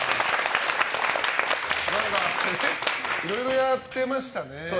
いろいろやってましたね。